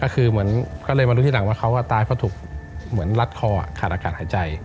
คือเหมือนก็เลยมาดูที่หลังว่าเขาตายเพราะถูกเหมือนรัดคอขาดอากาศหายใจ